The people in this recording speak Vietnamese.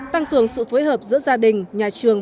tăng cường sự phối hợp giữa gia đình nhà trường